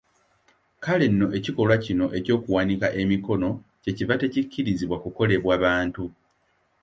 Kale nno ekikolwa kino eky’okuwanika emikono kye kiva tekikkirizibwa kukolebwa bantu.